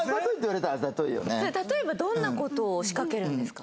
それ例えばどんな事を仕掛けるんですか？